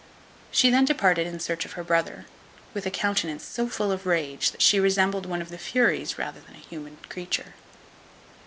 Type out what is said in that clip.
She then departed in search of her brother, with a countenance so full of rage, that she resembled one of the furies rather than a human creature.